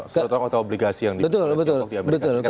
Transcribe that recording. surat hutang atau obligasi yang diberikan di amerika